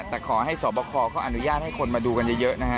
แต่ขอให้สอบคอเขาอนุญาตให้คนมาดูกันเยอะนะฮะ